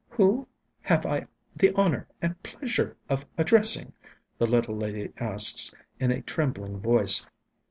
"Whom have I the honour and pleasure of addressing?" the little lady asks in a trembling voice.